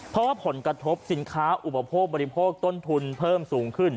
เพราะว่าผลกระทบสินค้าอุปโภคบริโภคต้นทุนเพิ่มสูงขึ้น